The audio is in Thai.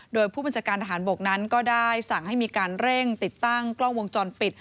โดยผู้บัญชาการทหารบกนั้นก็ได้สั่งให้มีการเร่งติดตั้งกล้องวงจรปิด